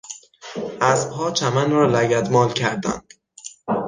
اسبها چمن را لگدمال کردند.